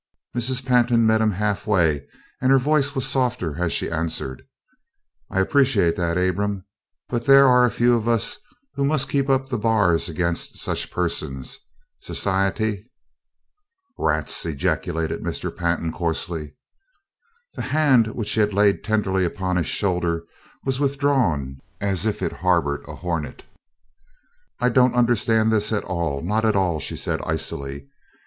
Mrs. Pantin met him half way and her voice was softer as she answered: "I appreciate that, Abram, but there are a few of us who must keep up the bars against such persons. Society " "Rats!" ejaculated Mr. Pantin coarsely. The hand which she had laid tenderly upon his shoulder was withdrawn as if it harbored a hornet. "I don't understand this at all not at all," she said, icily.